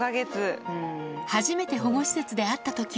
初めて保護施設で会ったときは。